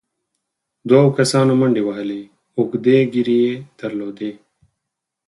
دوو کسانو منډې وهلې، اوږدې ږېرې يې درلودې،